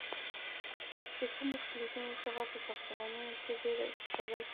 د کومو فلزونو څخه په ساختمانونو کې ډیره استفاده کېږي؟